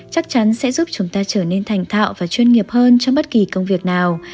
chắc chắn sẽ giúp chúng ta trở nên thành thạo và chuyên nghiệp hơn trong bất kỳ công việc nào